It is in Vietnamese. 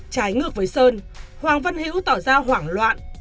trái ngược với sơn hoàng văn hiễu tỏ ra hoảng loạn